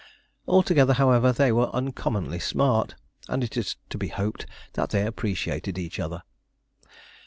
Altogether, however, they were uncommonly smart, and it is to be hoped that they appreciated each other.